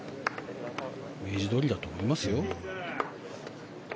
イメージどおりだと思いますよ。